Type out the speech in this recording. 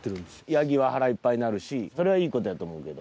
ヤギは腹いっぱいになるしそれはいいことやと思うけど。